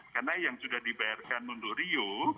karena yang sudah dibayarkan untuk rio